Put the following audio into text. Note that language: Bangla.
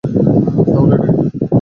তাহলে এটা কি?